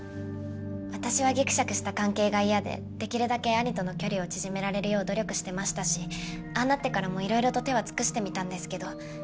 私はギクシャクした関係が嫌でできるだけ義兄との距離を縮められるよう努力してましたしああなってからもいろいろと手は尽くしてみたんですけど。